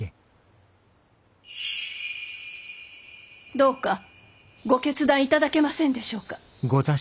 どうかご決断頂けませんでしょうか。